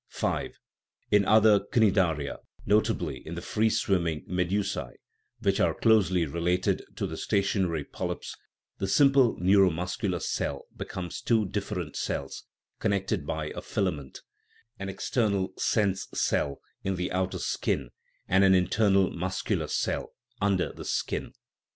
V. In other cnidaria, notably in the free swimming medusae which are closely related to the stationary polyps the simple neuro muscular cell becomes two different cells, connected by a filament; an external sense cell (in the outer skin) and an internal muscular cell (under the skin).